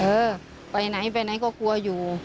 เออไปไหนไปไหนก็กลัวอยู่